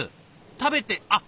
食べてあっ！